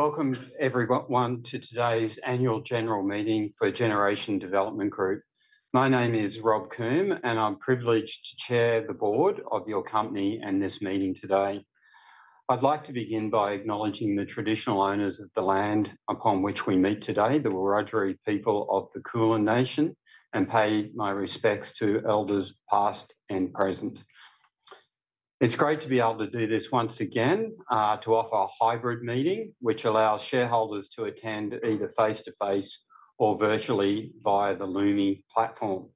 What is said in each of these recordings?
Welcome, everyone, to today's Annual General Meeting for Generation Development Group. My name is Rob Coombe, and I'm privileged to chair the Board of your company and this meeting today. I'd like to begin by acknowledging the traditional owners of the land upon which we meet today, the Wurundjeri people of the Kulin Nation, and pay my respects to elders past and present. It's great to be able to do this once again, to offer a hybrid meeting, which allows shareholders to attend either face-to-face or virtually via the Lumi platform.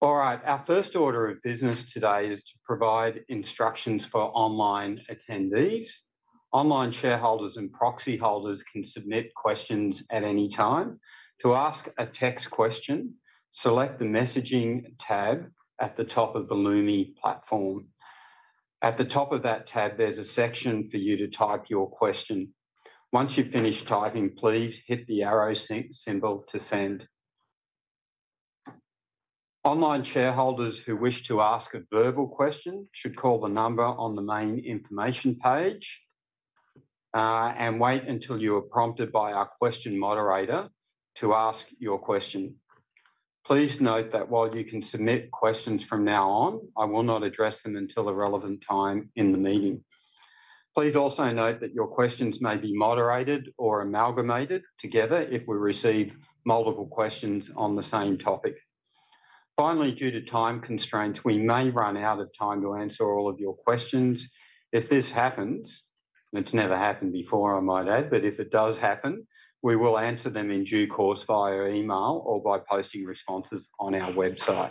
All right, our first order of business today is to provide instructions for online attendees. Online shareholders and proxy holders can submit questions at any time. To ask a text question, select the Messaging tab at the top of the Lumi platform. At the top of that tab, there's a section for you to type your question. Once you've finished typing, please hit the arrow symbol to send. Online shareholders who wish to ask a verbal question should call the number on the main information page and wait until you are prompted by our question moderator to ask your question. Please note that while you can submit questions from now on, I will not address them until a relevant time in the meeting. Please also note that your questions may be moderated or amalgamated together if we receive multiple questions on the same topic. Finally, due to time constraints, we may run out of time to answer all of your questions. If this happens, and it's never happened before, I might add, but if it does happen, we will answer them in due course via email or by posting responses on our website.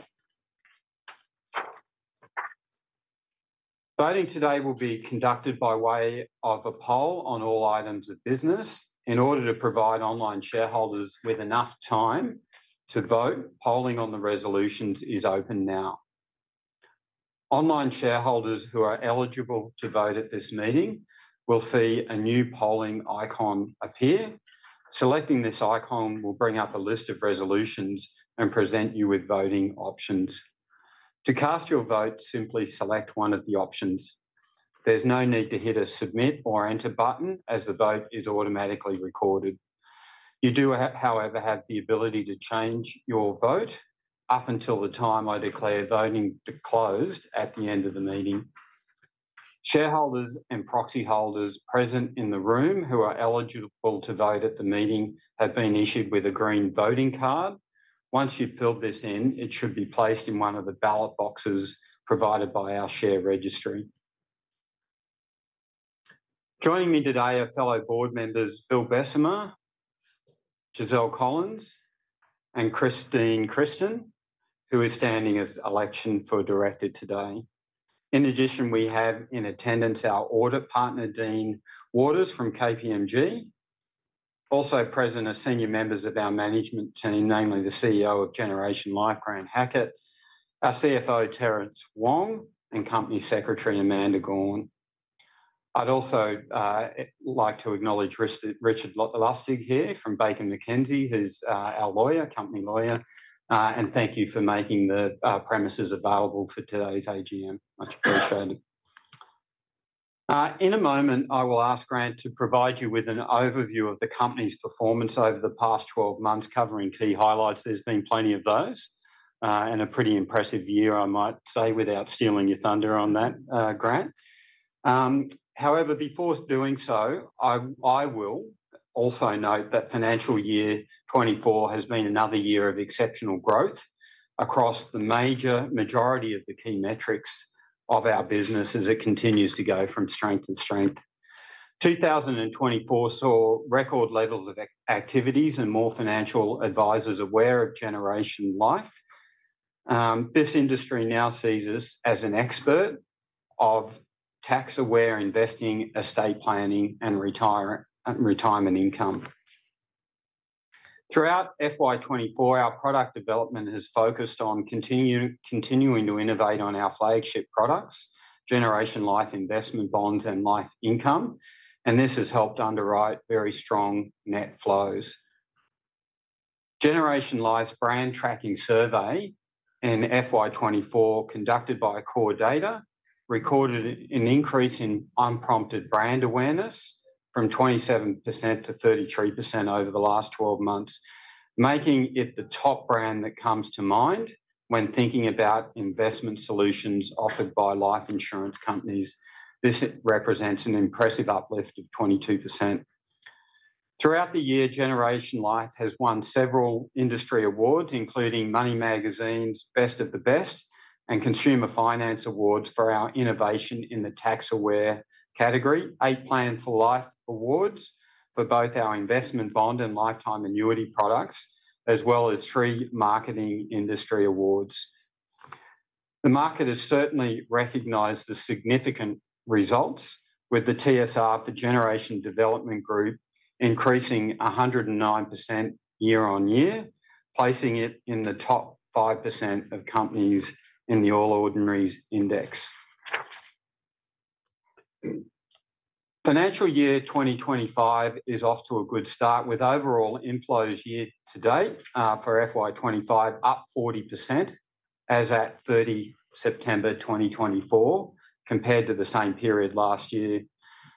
Voting today will be conducted by way of a poll on all items of business. In order to provide online shareholders with enough time to vote, polling on the resolutions is open now. Online shareholders who are eligible to vote at this meeting will see a new polling icon appear. Selecting this icon will bring up a list of resolutions and present you with voting options. To cast your vote, simply select one of the options. There's no need to hit a Submit or Enter button, as the vote is automatically recorded. You do, however, have the ability to change your vote up until the time I declare voting to close at the end of the meeting. Shareholders and proxy holders present in the room who are eligible to vote at the meeting have been issued with a green voting card. Once you've filled this in, it should be placed in one of the ballot boxes provided by our share registry. Joining me today are fellow board members Bill Bessemer, Giselle Collins, and Christine Christian, who is standing for election as director today. In addition, we have in attendance our audit partner, Dean Waters from KPMG. Also present are senior members of our management team, namely the CEO of Generation Life, Grant Hackett, our CFO, Terence Wong, and company secretary, Amanda Gawne. I'd also like to acknowledge Richard Lustig here from Baker McKenzie, who's our lawyer, company lawyer, and thank you for making the premises available for today's AGM. Much appreciated. In a moment, I will ask Grant to provide you with an overview of the company's performance over the past 12 months, covering key highlights. There's been plenty of those and a pretty impressive year, I might say, without stealing your thunder on that, Grant. However, before doing so, I will also note that financial year 2024 has been another year of exceptional growth across the major majority of the key metrics of our business as it continues to go from strength to strength. 2024 saw record levels of activities and more financial advisors aware of Generation Life. This industry now sees us as an expert of tax-aware investing, estate planning, and retirement income. Throughout FY24, our product development has focused on continuing to innovate on our flagship products, Generation Life investment bonds and LifeIncome, and this has helped underwrite very strong net flows. Generation Life's brand tracking survey in FY24, conducted by CoreData, recorded an increase in unprompted brand awareness from 27% to 33% over the last 12 months, making it the top brand that comes to mind when thinking about investment solutions offered by life insurance companies. This represents an impressive uplift of 22%. Throughout the year, Generation Life has won several industry awards, including Money Magazine's Best of the Best and Consumer Finance Awards for our innovation in the tax-aware category. Eight Plan For Life Awards for both our investment bond and lifetime annuity products, as well as three marketing industry awards. The market has certainly recognized the significant results, with the TSR for Generation Development Group increasing 109% year-on-year, placing it in the top 5% of companies in the All Ordinaries Index. Financial year 2025 is off to a good start with overall inflows year to date for FY25 up 40% as at 30 September 2024, compared to the same period last year.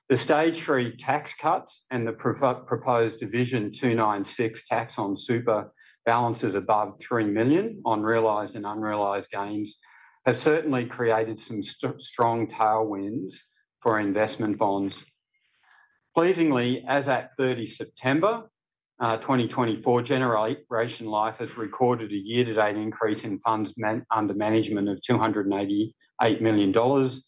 The Stage 3 Tax Cuts and the proposed Division 296 tax on super balances above three million on realized and unrealized gains have certainly created some strong tailwinds for investment bonds. Pleasingly, as at 30 September 2024, Generation Life has recorded a year-to-date increase in funds under management of 288 million dollars,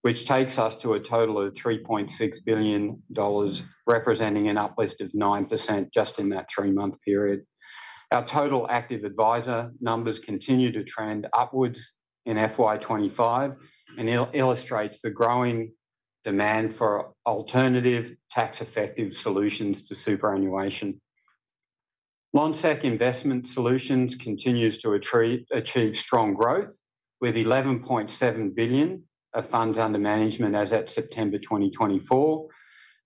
which takes us to a total of 3.6 billion dollars, representing an uplift of 9% just in that three-month period. Our total active advisor numbers continue to trend upwards in FY25 and illustrate the growing demand for alternative tax-effective solutions to superannuation. Lonsec Investment Solutions continues to achieve strong growth with 11.7 billion of funds under management as at September 2024.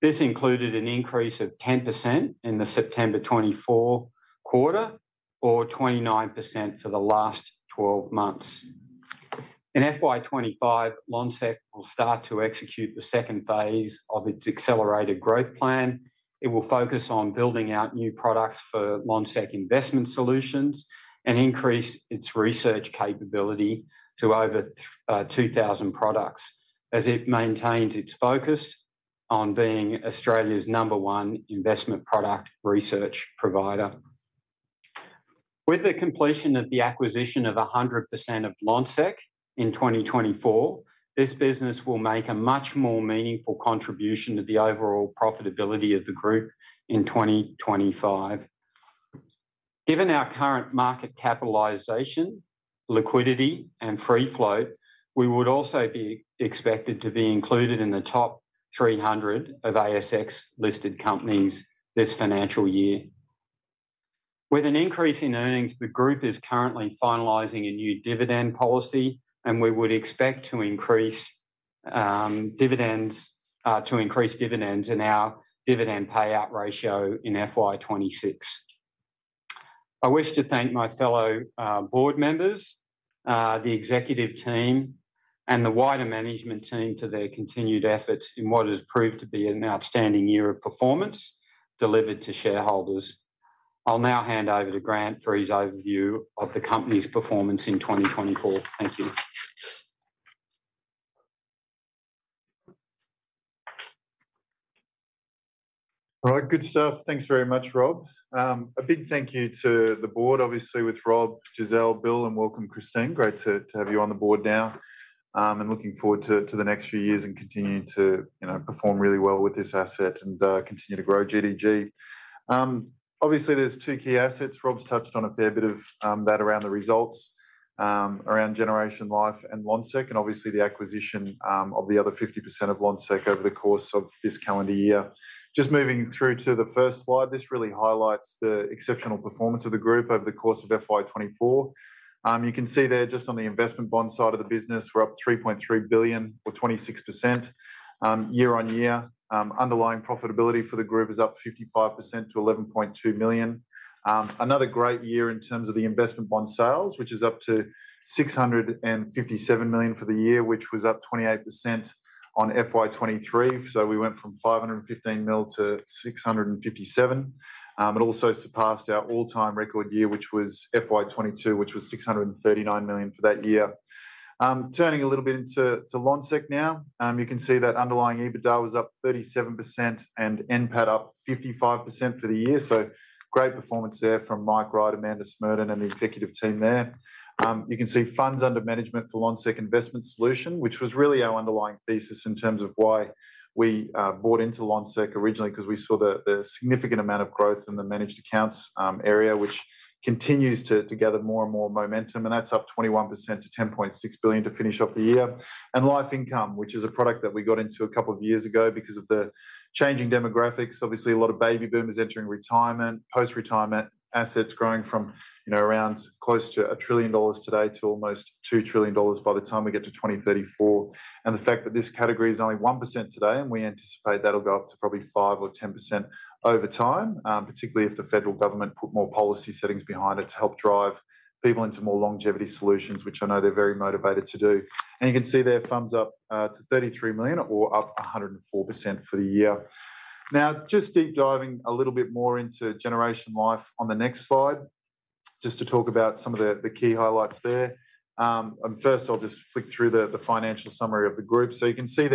This included an increase of 10% in the September 2024 quarter, or 29% for the last 12 months. In FY25, Lonsec will start to execute the second phase of its accelerated growth plan. It will focus on building out new products for Lonsec Investment Solutions and increase its research capability to over 2,000 products as it maintains its focus on being Australia's number one investment product research provider. With the completion of the acquisition of 100% of Lonsec in 2024, this business will make a much more meaningful contribution to the overall profitability of the group in 2025. Given our current market capitalisation, liquidity, and free float, we would also be expected to be included in the top 300 of ASX-listed companies this financial year. With an increase in earnings, the group is currently finalizing a new dividend policy, and we would expect to increase dividends in our dividend payout ratio in FY26. I wish to thank my fellow board members, the executive team, and the wider management team for their continued efforts in what has proved to be an outstanding year of performance delivered to shareholders. I'll now hand over to Grant for his overview of the company's performance in 2024. Thank you. All right, good stuff. Thanks very much, Rob. A big thank you to the board, obviously, with Rob, Giselle, Bill, and welcome, Christine. Great to have you on the board now. I'm looking forward to the next few years and continuing to perform really well with this asset and continue to grow GDG. Obviously, there's two key assets. Rob's touched on a fair bit of that around the results around Generation Life and Lonsec, and obviously the acquisition of the other 50% of Lonsec over the course of this calendar year. Just moving through to the first slide, this really highlights the exceptional performance of the group over the course of FY24. You can see there just on the investment bond side of the business, we're up 3.3 billion, or 26% year-on-year. Underlying profitability for the group is up 55% to 11.2 million. Another great year in terms of the investment bond sales, which is up to 657 million for the year, which was up 28% on FY23. So we went from 515 million to 657 million. It also surpassed our all-time record year, which was FY22, which was 639 million for that year. Turning a little bit into Lonsec now, you can see that underlying EBITDA was up 37% and NPAT up 55% for the year. So great performance there from Mike Wright, Amanda Smerdon, and the executive team there. You can see funds under management for Lonsec Investment Solutions, which was really our underlying thesis in terms of why we bought into Lonsec originally, because we saw the significant amount of growth in the managed accounts area, which continues to gather more and more momentum. And that's up 21% to 10.6 billion to finish off the year. LifeIncome, which is a product that we got into a couple of years ago because of the changing demographics. Obviously, a lot of baby boomers entering retirement, post-retirement assets growing from around close to 1 trillion dollars today to almost 2 trillion dollars by the time we get to 2034. And the fact that this category is only 1% today, and we anticipate that'll go up to probably 5%-10% over time, particularly if the federal government put more policy settings behind it to help drive people into more longevity solutions, which I know they're very motivated to do. And you can see there funds up to 33 million or up 104% for the year. Now, just deep diving a little bit more into Generation Life on the next slide, just to talk about some of the key highlights there. First, I'll just flick through the financial summary of the group. So you can see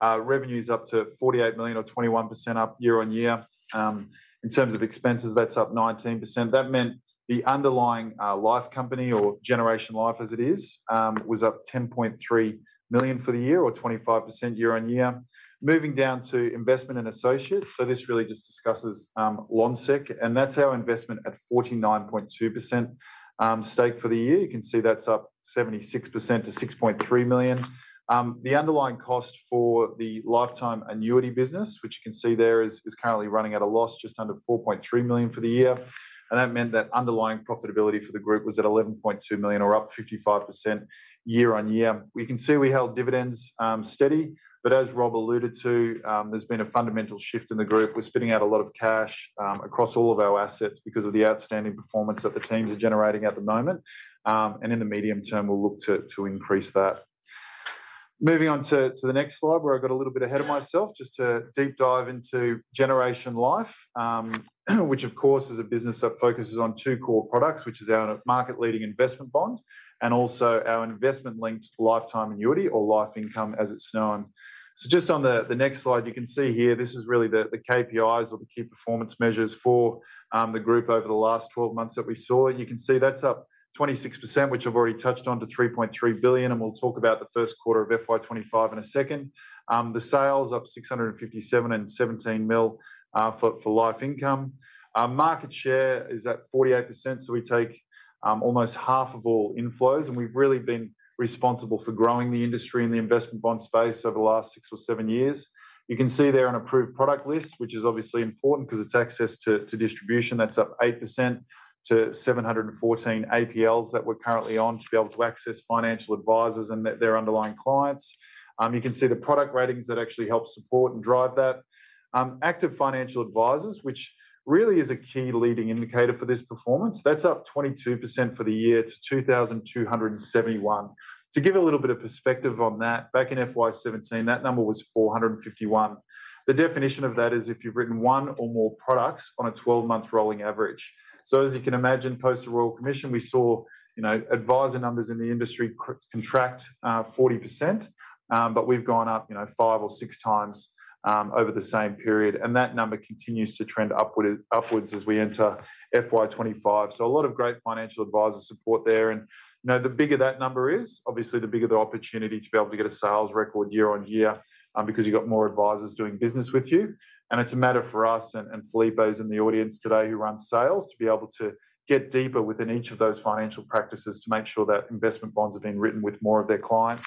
there, for revenues up to 48 million, or 21% up year-on-year. In terms of expenses, that's up 19%. That meant the underlying life company, or Generation Life as it is, was up 10.3 million for the year, or 25% year-on-year. Moving down to investment and associates. So this really just discusses Lonsec, and that's our investment at 49.2% stake for the year. You can see that's up 76% to 6.3 million. The underlying cost for the lifetime annuity business, which you can see there, is currently running at a loss just under 4.3 million for the year. And that meant that underlying profitability for the group was at 11.2 million, or up 55% year-on-year. We can see we held dividends steady, but as Rob alluded to, there's been a fundamental shift in the group. We're spitting out a lot of cash across all of our assets because of the outstanding performance that the teams are generating at the moment, and in the medium term, we'll look to increase that. Moving on to the next slide, where I got a little bit ahead of myself, just to deep dive into Generation Life, which, of course, is a business that focuses on two core products, which is our market-leading investment bond and also our investment-linked lifetime annuity, or LifeIncome as it's known, so just on the next slide, you can see here, this is really the KPIs or the key performance measures for the group over the last 12 months that we saw. You can see that's up 26%, which I've already touched on to 3.3 billion. We'll talk about the first quarter of FY25 in a second. The sales up 657% to 17 million for LifeIncome. Market share is at 48%. We take almost half of all inflows, and we've really been responsible for growing the industry in the investment bond space over the last six or seven years. You can see there an approved product list, which is obviously important because it's access to distribution. That's up 8% to 714 APLs that we're currently on to be able to access financial advisors and their underlying clients. You can see the product ratings that actually help support and drive that. Active financial advisors, which really is a key leading indicator for this performance. That's up 22% for the year to 2,271. To give a little bit of perspective on that, back in FY 2017, that number was 451. The definition of that is if you've written one or more products on a 12-month rolling average. So as you can imagine, post the Royal Commission, we saw advisor numbers in the industry contract 40%, but we've gone up five or six times over the same period. And that number continues to trend upwards as we enter FY 2025. So a lot of great financial advisor support there. And the bigger that number is, obviously, the bigger the opportunity to be able to get a sales record year-on-year because you've got more advisors doing business with you. And it's a matter for us and Felipe in the audience today who run sales to be able to get deeper within each of those financial practices to make sure that investment bonds are being written with more of their clients.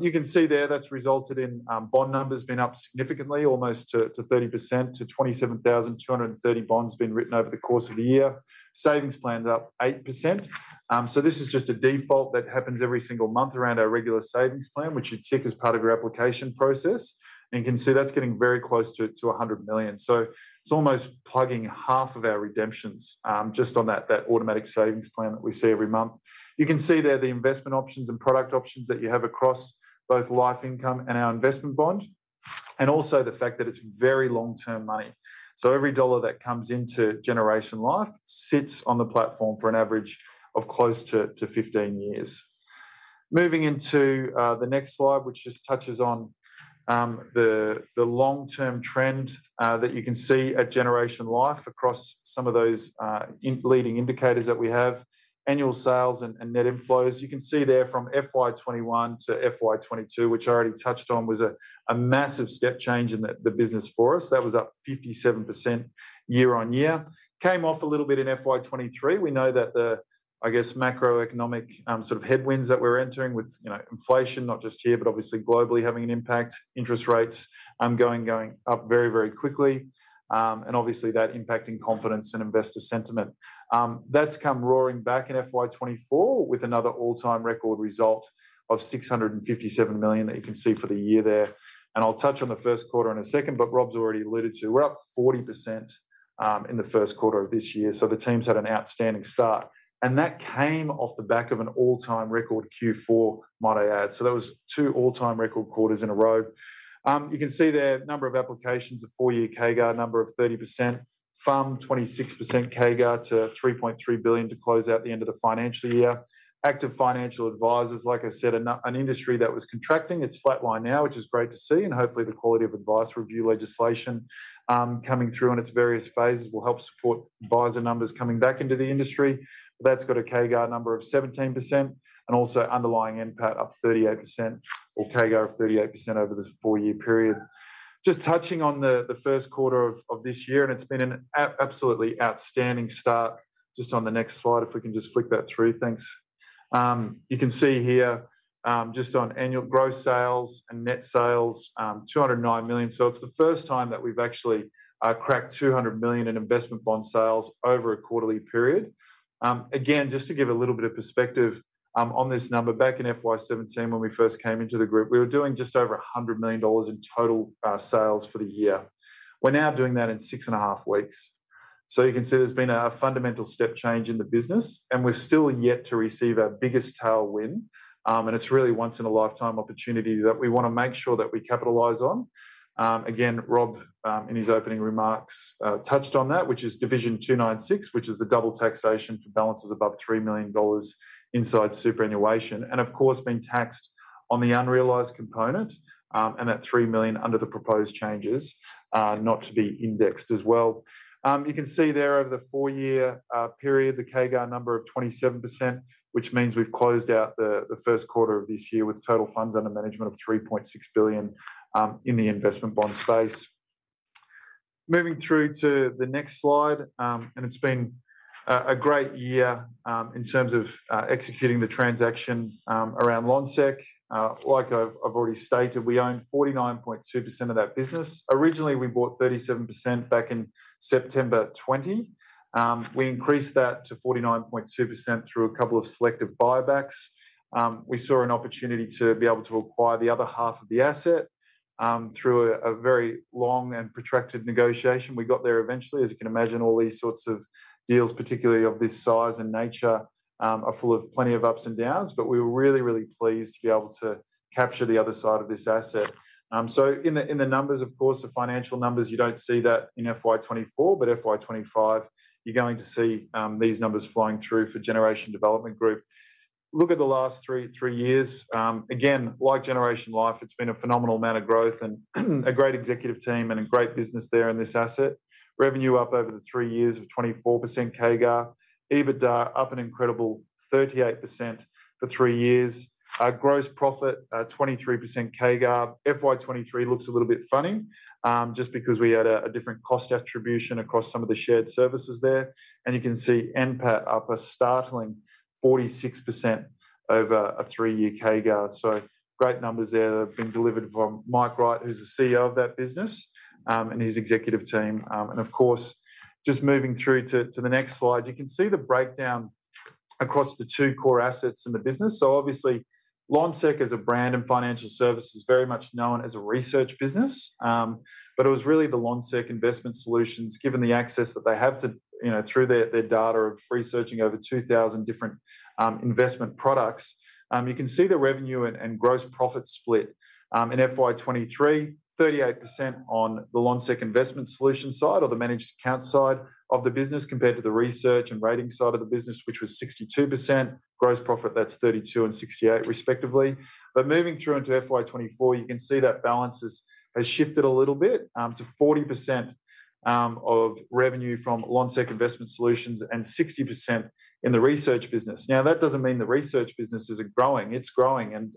You can see there that's resulted in bond numbers being up significantly, almost 30% to 27,230 bonds being written over the course of the year. Savings plans up 8%. So this is just a default that happens every single month around our regular savings plan, which you tick as part of your application process. And you can see that's getting very close to 100 million. So it's almost plugging half of our redemptions just on that automatic savings plan that we see every month. You can see there the investment options and product options that you have across both LifeIncome and our investment bond, and also the fact that it's very long-term money. So every dollar that comes into Generation Life sits on the platform for an average of close to 15 years. Moving into the next slide, which just touches on the long-term trend that you can see at Generation Life across some of those leading indicators that we have, annual sales and net inflows. You can see there from FY21 to FY22, which I already touched on, was a massive step change in the business for us. That was up 57% year-on-year. Came off a little bit in FY23. We know that the, I guess, macroeconomic sort of headwinds that we're entering with inflation, not just here, but obviously globally having an impact, interest rates going up very, very quickly. And obviously, that impacting confidence and investor sentiment. That's come roaring back in FY24 with another all-time record result of 657 million that you can see for the year there. And I'll touch on the first quarter in a second, but Rob's already alluded to, we're up 40% in the first quarter of this year. So the teams had an outstanding start. And that came off the back of an all-time record Q4, might I add. So that was two all-time record quarters in a row. You can see there number of applications, a four-year CAGR number of 30%, fund 26% CAGR to 3.3 billion to close out the end of the financial year. Active financial advisors, like I said, an industry that was contracting, it's flatlined now, which is great to see, and hopefully, the Quality of Advice Review legislation coming through in its various phases will help support advisor numbers coming back into the industry. That's got a CAGR number of 17% and also underlying NPAT up 38% or CAGR of 38% over the four-year period. Just touching on the first quarter of this year, and it's been an absolutely outstanding start. Just on the next slide, if we can just flick that through, thanks. You can see here just on annual gross sales and net sales, 209 million. So it's the first time that we've actually cracked 200 million in investment bond sales over a quarterly period. Again, just to give a little bit of perspective on this number, back in FY17, when we first came into the group, we were doing just over 100 million dollars in total sales for the year. We're now doing that in six and a half weeks. So you can see there's been a fundamental step change in the business, and we're still yet to receive our biggest tailwind. And it's really once in a lifetime opportunity that we want to make sure that we capitalize on. Again, Rob, in his opening remarks, touched on that, which is Division 296, which is the double taxation for balances above 3 million dollars inside superannuation. And of course, being taxed on the unrealized component and that 3 million under the proposed changes not to be indexed as well. You can see there over the four-year period, the CAGR number of 27%, which means we've closed out the first quarter of this year with total funds under management of 3.6 billion in the investment bond space. Moving through to the next slide, and it's been a great year in terms of executing the transaction around Lonsec. Like I've already stated, we own 49.2% of that business. Originally, we bought 37% back in September 2020. We increased that to 49.2% through a couple of selective buybacks. We saw an opportunity to be able to acquire the other half of the asset through a very long and protracted negotiation. We got there eventually. As you can imagine, all these sorts of deals, particularly of this size and nature, are full of plenty of ups and downs, but we were really, really pleased to be able to capture the other side of this asset. So in the numbers, of course, the financial numbers, you don't see that in FY24, but FY25, you're going to see these numbers flowing through for Generation Development Group. Look at the last three years. Again, like Generation Life, it's been a phenomenal amount of growth and a great executive team and a great business there in this asset. Revenue up over the three years of 24% CAGR. EBITDA up an incredible 38% for three years. Gross profit 23% CAGR. FY23 looks a little bit funny just because we had a different cost attribution across some of the shared services there. You can see NPAT up a startling 46% over a three-year CAGR. So great numbers there that have been delivered by Mike Wright, who's the CEO of that business and his executive team. And of course, just moving through to the next slide, you can see the breakdown across the two core assets in the business. So obviously, Lonsec as a brand and financial service is very much known as a research business, but it was really the Lonsec Investment Solutions, given the access that they have through their data of researching over 2,000 different investment products. You can see the revenue and gross profit split in FY23, 38% on the Lonsec Investment Solutions side or the managed account side of the business compared to the research and rating side of the business, which was 62%. Gross profit, that's 32% and 68% respectively. But moving through into FY24, you can see that balance has shifted a little bit to 40% of revenue from Lonsec Investment Solutions and 60% in the research business. Now, that doesn't mean the research business isn't growing. It's growing and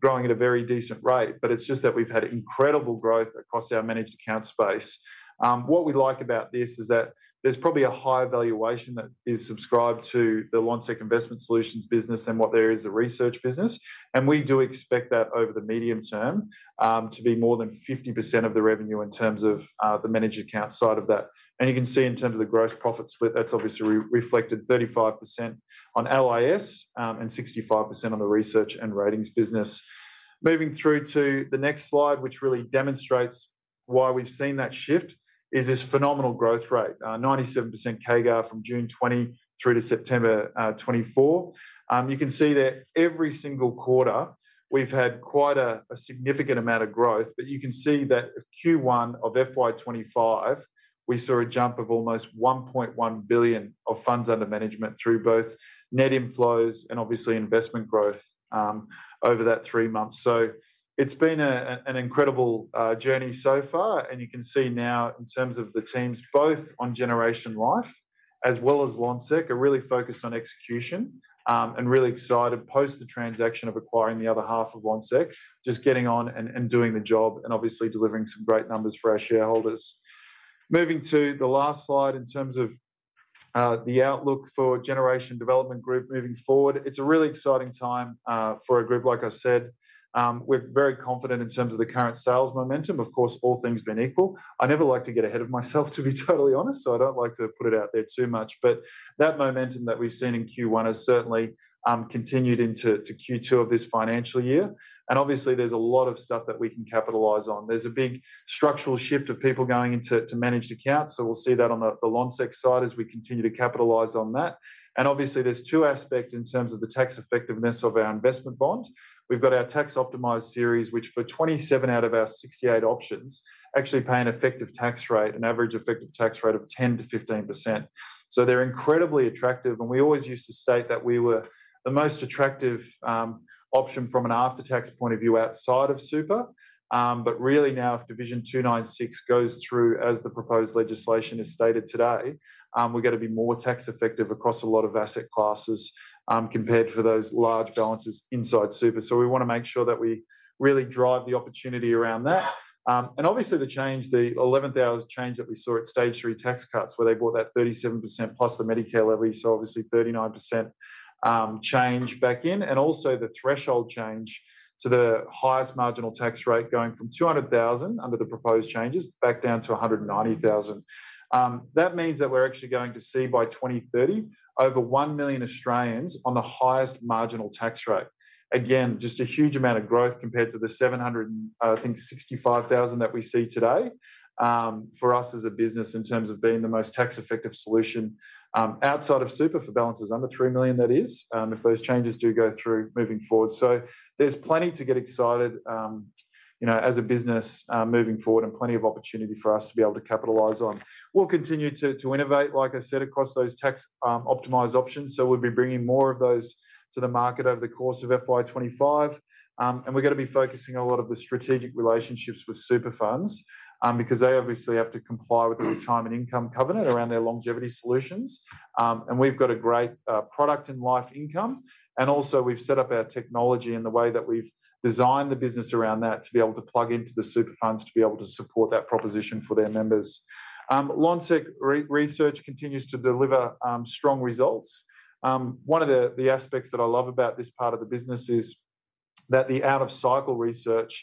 growing at a very decent rate, but it's just that we've had incredible growth across our managed account space. What we like about this is that there's probably a higher valuation that is subscribed to the Lonsec Investment Solutions business than what there is the research business. And we do expect that over the medium term to be more than 50% of the revenue in terms of the managed account side of that. And you can see in terms of the gross profit split, that's obviously reflected 35% on LIS and 65% on the research and ratings business. Moving through to the next slide, which really demonstrates why we've seen that shift, is this phenomenal growth rate, 97% CAGR from June 2020 through to September 2024. You can see that every single quarter, we've had quite a significant amount of growth, but you can see that Q1 of FY25, we saw a jump of almost 1.1 billion of funds under management through both net inflows and obviously investment growth over that three months, so it's been an incredible journey so far, and you can see now in terms of the teams, both on Generation Life as well as Lonsec, are really focused on execution and really excited post the transaction of acquiring the other half of Lonsec, just getting on and doing the job and obviously delivering some great numbers for our shareholders. Moving to the last slide in terms of the outlook for Generation Development Group moving forward, it's a really exciting time for a group, like I said. We're very confident in terms of the current sales momentum. Of course, all things being equal, I never like to get ahead of myself, to be totally honest. So I don't like to put it out there too much. But that momentum that we've seen in Q1 has certainly continued into Q2 of this financial year. And obviously, there's a lot of stuff that we can capitalize on. There's a big structural shift of people going into managed accounts. So we'll see that on the Lonsec side as we continue to capitalize on that. And obviously, there's two aspects in terms of the tax effectiveness of our investment bond. We've got our Tax Optimised Series, which for 27 out of our 68 options actually pay an effective tax rate, an average effective tax rate of 10%-15%. So they're incredibly attractive. And we always used to state that we were the most attractive option from an after-tax point of view outside of super. But really now, if Division 296 goes through as the proposed legislation is stated today, we're going to be more tax effective across a lot of asset classes compared to those large balances inside super. So we want to make sure that we really drive the opportunity around that. Obviously, the change, the 11th hour change that we saw at Stage 3 tax cuts where they bought that 37% plus the Medicare levy, so obviously 39% change back in, and also the threshold change to the highest marginal tax rate going from 200,000 under the proposed changes back down to 190,000. That means that we're actually going to see by 2030 over one million Australians on the highest marginal tax rate. Again, just a huge amount of growth compared to the 700, I think 65,000 that we see today for us as a business in terms of being the most tax effective solution outside of super for balances under three million, that is, if those changes do go through moving forward. There's plenty to get excited as a business moving forward and plenty of opportunity for us to be able to capitalize on. We'll continue to innovate, like I said, across those tax-optimized options, so we'll be bringing more of those to the market over the course of FY25, and we're going to be focusing a lot of the strategic relationships with super funds because they obviously have to comply with the Retirement Income Covenant around their longevity solutions, and we've got a great product in LifeIncome, and also, we've set up our technology and the way that we've designed the business around that to be able to plug into the super funds to be able to support that proposition for their members. Lonsec Research continues to deliver strong results. One of the aspects that I love about this part of the business is that the out-of-cycle research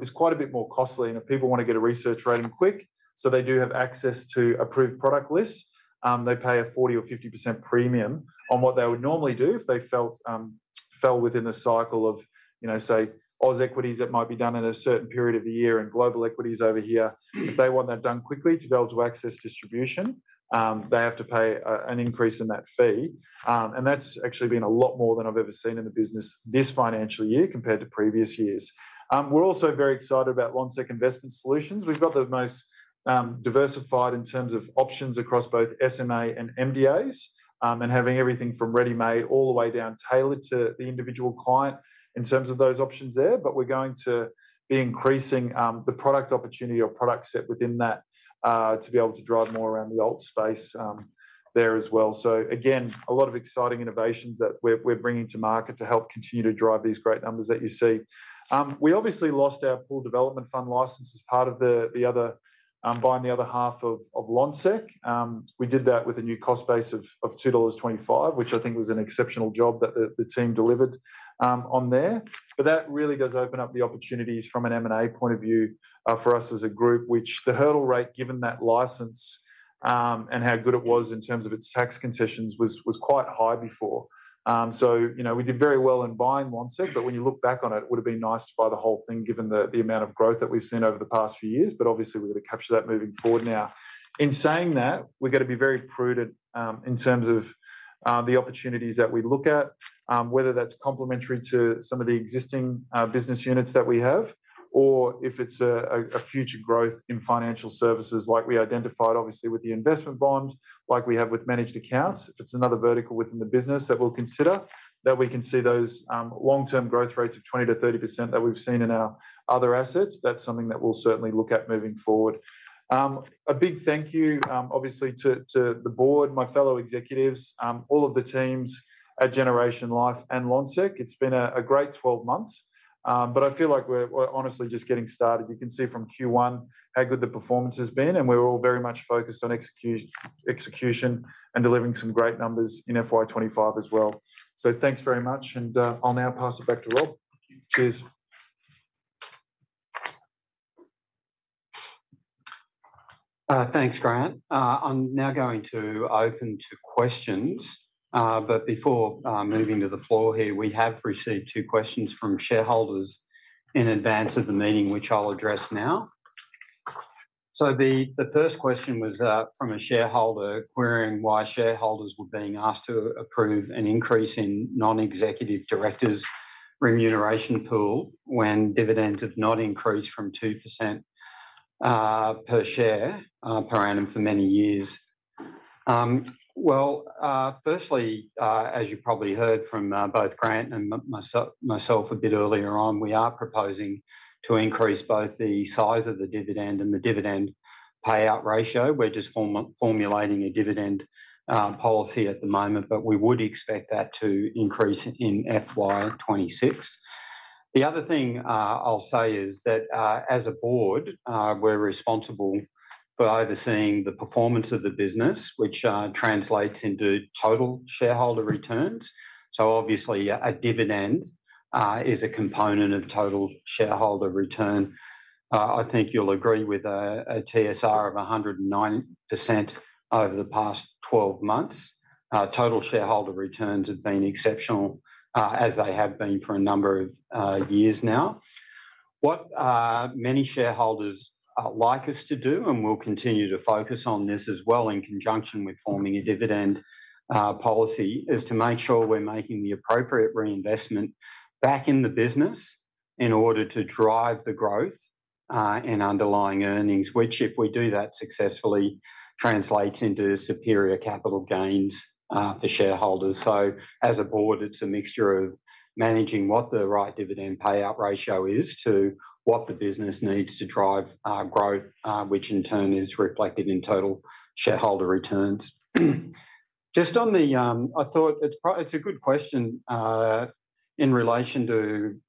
is quite a bit more costly. And if people want to get a research rating quick, so they do have access to approved product lists, they pay a 40 or 50% premium on what they would normally do if they fell within the cycle of, say, Aus equities that might be done in a certain period of the year and global equities over here. If they want that done quickly to be able to access distribution, they have to pay an increase in that fee. And that's actually been a lot more than I've ever seen in the business this financial year compared to previous years. We're also very excited about Lonsec Investment Solutions. We've got the most diversified in terms of options across both SMA and MDAs and having everything from ready-made all the way down tailored to the individual client in terms of those options there. But we're going to be increasing the product opportunity or product set within that to be able to drive more around the alt space there as well. So again, a lot of exciting innovations that we're bringing to market to help continue to drive these great numbers that you see. We obviously lost our Pooled Development Fund license as part of the other buying the other half of Lonsec. We did that with a new cost base of 2.25 dollars, which I think was an exceptional job that the team delivered on there. But that really does open up the opportunities from an M&A point of view for us as a group, which the hurdle rate given that license and how good it was in terms of its tax concessions was quite high before. So we did very well in buying Lonsec, but when you look back on it, it would have been nice to buy the whole thing given the amount of growth that we've seen over the past few years. But obviously, we're going to capture that moving forward now. In saying that, we're going to be very prudent in terms of the opportunities that we look at, whether that's complementary to some of the existing business units that we have or if it's a future growth in financial services like we identified, obviously, with the investment bond, like we have with managed accounts. If it's another vertical within the business that we'll consider that we can see those long-term growth rates of 20%-30% that we've seen in our other assets, that's something that we'll certainly look at moving forward. A big thank you, obviously, to the board, my fellow executives, all of the teams at Generation Life and Lonsec. It's been a great 12 months, but I feel like we're honestly just getting started. You can see from Q1 how good the performance has been, and we're all very much focused on execution and delivering some great numbers in FY25 as well. So thanks very much, and I'll now pass it back to Rob. Cheers. Thanks, Grant. I'm now going to open to questions. But before moving to the floor here, we have received two questions from shareholders in advance of the meeting, which I'll address now. So the first question was from a shareholder querying why shareholders were being asked to approve an increase in non-executive directors' remuneration pool when dividends have not increased from 2% per share per annum for many years. Firstly, as you probably heard from both Grant and myself a bit earlier on, we are proposing to increase both the size of the dividend and the dividend payout ratio. We're just formulating a dividend policy at the moment, but we would expect that to increase in FY26. The other thing I'll say is that as a board, we're responsible for overseeing the performance of the business, which translates into total shareholder returns. So obviously, a dividend is a component of total shareholder return. I think you'll agree with a TSR of 109% over the past 12 months. Total shareholder returns have been exceptional as they have been for a number of years now. What many shareholders like us to do, and we'll continue to focus on this as well in conjunction with forming a dividend policy, is to make sure we're making the appropriate reinvestment back in the business in order to drive the growth and underlying earnings, which if we do that successfully translates into superior capital gains for shareholders. So as a board, it's a mixture of managing what the right dividend payout ratio is to what the business needs to drive growth, which in turn is reflected in total shareholder returns. Just on the I thought it's a good question in relation to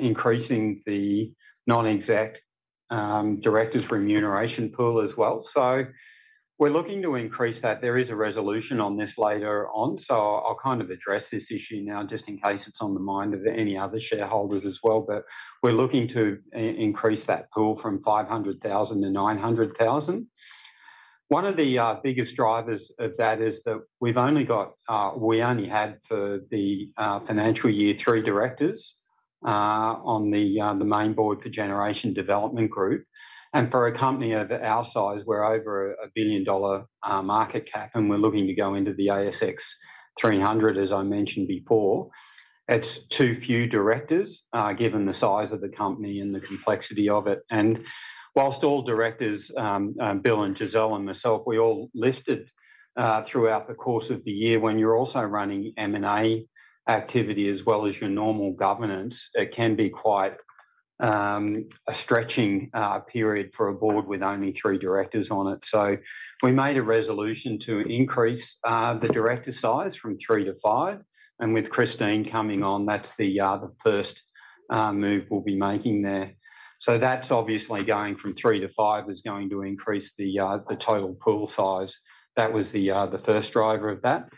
increasing the non-executive directors' remuneration pool as well. So we're looking to increase that. There is a resolution on this later on. So I'll kind of address this issue now just in case it's on the mind of any other shareholders as well. We're looking to increase that pool from 500,000 to 900,000. One of the biggest drivers of that is that we only had for the financial year three directors on the main board for Generation Development Group. And for a company of our size, we're over a billion dollar market cap, and we're looking to go into the ASX 300, as I mentioned before. It's too few directors given the size of the company and the complexity of it. And while all directors, Bill and Giselle and myself, we all lifted throughout the course of the year, when you're also running M&A activity as well as your normal governance, it can be quite a stretching period for a board with only three directors on it. So we made a resolution to increase the director size from three to five. With Christine coming on, that's the first move we'll be making there. So that's obviously going from three to five is going to increase the total pool size. That was the first driver of that.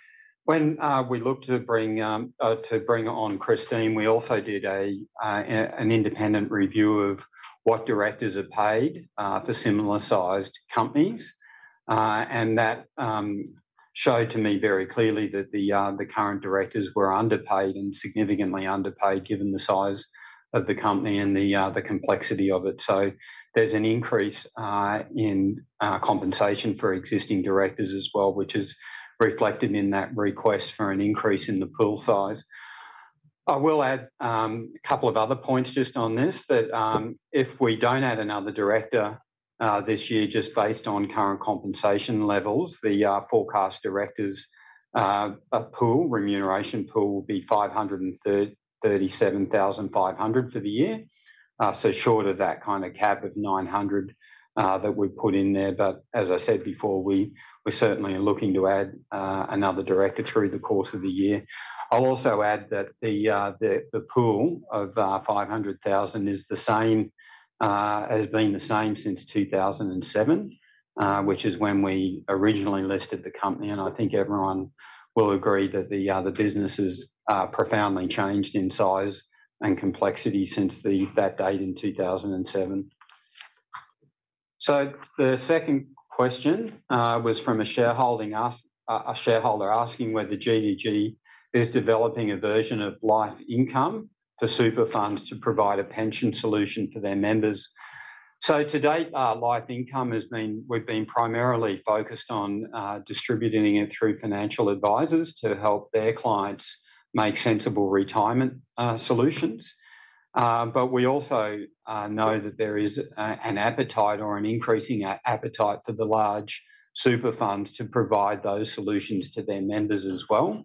When we looked to bring on Christine, we also did an independent review of what directors are paid for similar-sized companies. And that showed to me very clearly that the current directors were underpaid and significantly underpaid given the size of the company and the complexity of it. So there's an increase in compensation for existing directors as well, which is reflected in that request for an increase in the pool size. I will add a couple of other points just on this, that if we don't add another director this year just based on current compensation levels, the forecast directors' pool, remuneration pool will be 537,500 for the year. Short of that kind of cap of 900 that we've put in there. But as I said before, we certainly are looking to add another director through the course of the year. I'll also add that the pool of 500,000 has been the same since 2007, which is when we originally listed the company. And I think everyone will agree that the other businesses are profoundly changed in size and complexity since that date in 2007. The second question was from a shareholder asking whether GDG is developing a version of LifeIncome for super funds to provide a pension solution for their members. To date, LifeIncome. We've been primarily focused on distributing it through financial advisors to help their clients make sensible retirement solutions. But we also know that there is an appetite or an increasing appetite for the large super funds to provide those solutions to their members as well.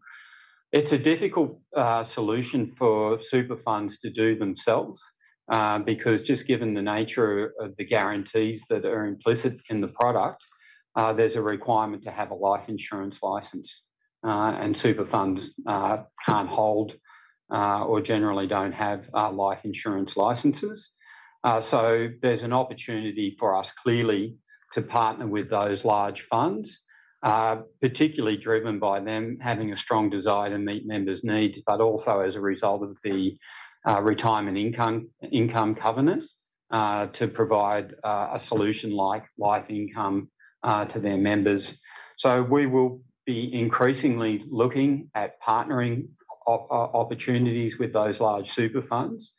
It's a difficult solution for super funds to do themselves because just given the nature of the guarantees that are implicit in the product, there's a requirement to have a life insurance license. And super funds can't hold or generally don't have life insurance licenses. So there's an opportunity for us clearly to partner with those large funds, particularly driven by them having a strong desire to meet members' needs, but also as a result of the retirement income covenant to provide a solution like LifeIncome to their members. So we will be increasingly looking at partnering opportunities with those large super funds.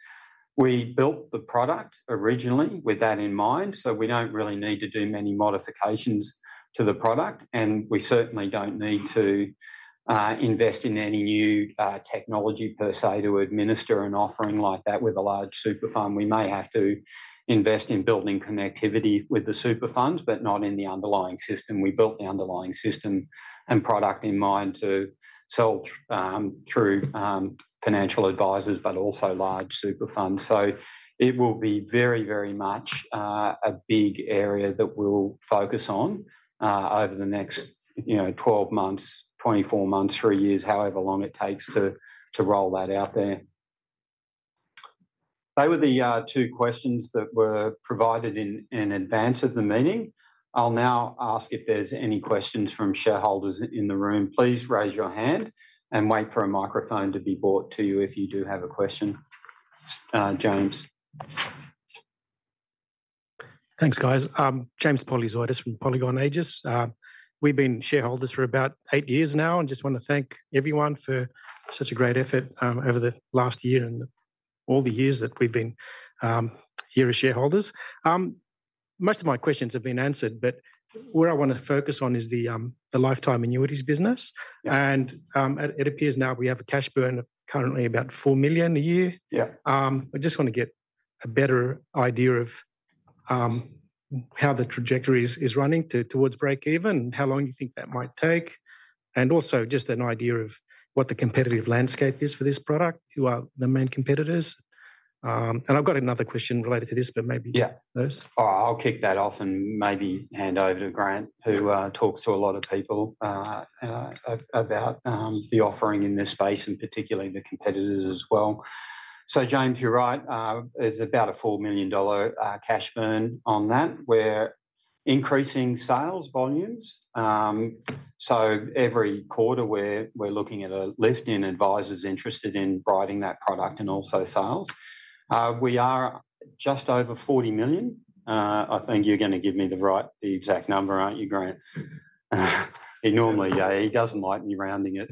We built the product originally with that in mind, so we don't really need to do many modifications to the product, and we certainly don't need to invest in any new technology per se to administer an offering like that with a large super fund. We may have to invest in building connectivity with the super funds, but not in the underlying system. We built the underlying system and product in mind to sell through financial advisors, but also large super funds, so it will be very, very much a big area that we'll focus on over the next 12 months, 24 months, three years, however long it takes to roll that out there. They were the two questions that were provided in advance of the meeting. I'll now ask if there's any questions from shareholders in the room. Please raise your hand and wait for a microphone to be brought to you if you do have a question, James. Thanks, guys. James Polyzoidis from Polygon Aegis. We've been shareholders for about eight years now and just want to thank everyone for such a great effort over the last year and all the years that we've been here as shareholders. Most of my questions have been answered, but where I want to focus on is the lifetime annuities business. And it appears now we have a cash burn of currently about 4 million a year. I just want to get a better idea of how the trajectory is running towards breakeven and how long you think that might take. And also just an idea of what the competitive landscape is for this product, who are the main competitors. And I've got another question related to this, but maybe those. I'll kick that off and maybe hand over to Grant, who talks to a lot of people about the offering in this space and particularly the competitors as well. So James, you're right, it's about a 4 million dollar cash burn on that. We're increasing sales volumes. So every quarter, we're looking at a lift in advisors interested in writing that product and also sales. We are just over 40 million. I think you're going to give me the exact number, aren't you, Grant? He doesn't like me rounding it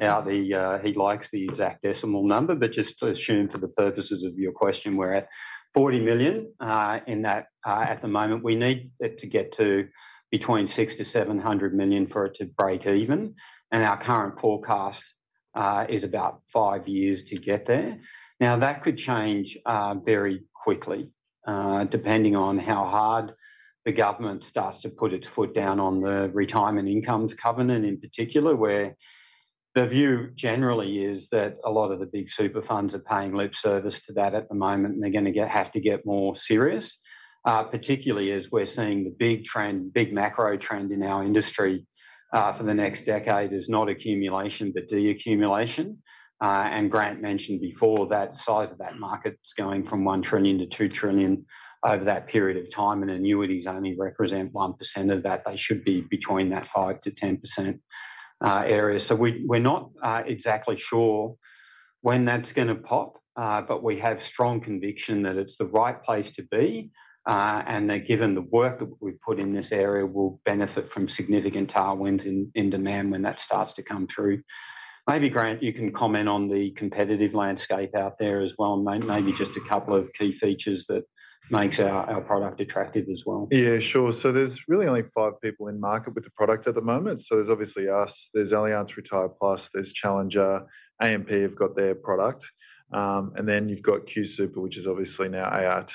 out. He likes the exact decimal number, but just to assume for the purposes of your question, we're at 40 million in that at the moment. We need it to get to between 600 to 700 million for it to break even. And our current forecast is about five years to get there. Now, that could change very quickly depending on how hard the government starts to put its foot down on the Retirement Income Covenant in particular, where the view generally is that a lot of the big super funds are paying lip service to that at the moment, and they're going to have to get more serious, particularly as we're seeing the big trend, big macro trend in our industry for the next decade is not accumulation, but de-accumulation. Grant mentioned before that the size of that market is going from 1 trillion to 2 trillion over that period of time, and annuities only represent 1% of that. They should be between that 5%-10% area. We're not exactly sure when that's going to pop, but we have strong conviction that it's the right place to be. Given the work that we've put in this area, we'll benefit from significant tailwinds in demand when that starts to come through. Maybe, Grant, you can comment on the competitive landscape out there as well, maybe just a couple of key features that makes our product attractive as well. Yeah, sure. So there's really only five people in market with the product at the moment. So there's obviously us, there's Allianz Retire+, there's Challenger, AMP have got their product. And then you've got QSuper, which is obviously now ART.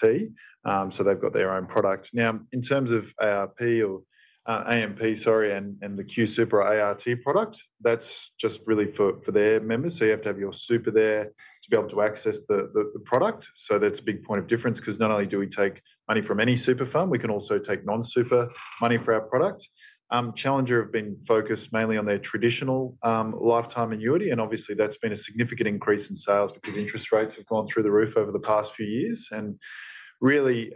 So they've got their own product. Now, in terms of ARP or AMP, sorry, and the QSuper or ART product, that's just really for their members. So you have to have your super there to be able to access the product. So that's a big point of difference because not only do we take money from any super fund, we can also take non-super money for our product. Challenger have been focused mainly on their traditional lifetime annuity. And obviously, that's been a significant increase in sales because interest rates have gone through the roof over the past few years. And really,